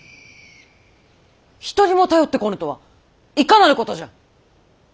一人も頼ってこぬとはいかなることじゃ！